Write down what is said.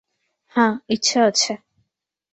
হাঁ, ইচ্ছা আছে।